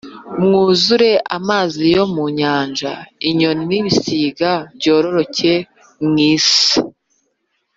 mwuzure amazi yo mu nyanja, inyoni n’ibisiga byororoke mu isi.”